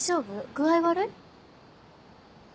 具合悪い？